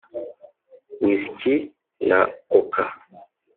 whisky na coca